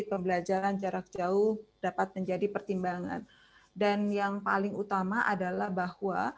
pembelajaran jarak jauh dapat menjadi pertimbangan dan yang paling utama adalah bahwa